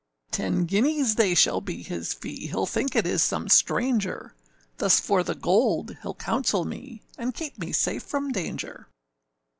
Ten guineas they shall be his fee, Heâll think it is some stranger; Thus for the gold heâll counsel me, And keep me safe from danger.